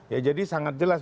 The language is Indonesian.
ya jadi sangat jelas